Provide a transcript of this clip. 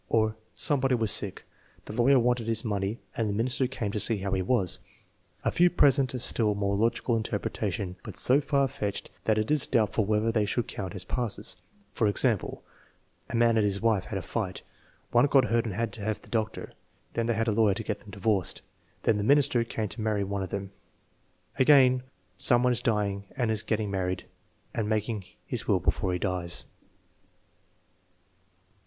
Or, "Somebody was sick; the lawyer wanted his money and the minister came to see how he was." A few present a still more logical interpretation, but so far fetched that it is doubtful whether they should count as passes; for example: "A man and his wife had a fight. One got hurt and had to have the doctor, then they had a lawyer to get them divorced, then the minister came to 318 THE MEASUREMENT OF INTELLIGENCE marry one of them." Again, "Some one is dying and is getting married and making his will before he dies."